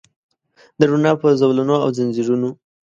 د روڼا په زولنو او ځنځیرونو